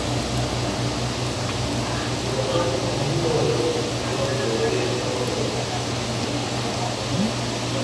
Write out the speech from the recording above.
وطن امونہ درو وک بہ وریساں درو